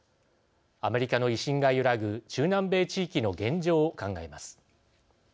アメリカの威信が揺らぐ中南米地域の現状を考えます。